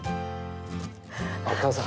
お母さん。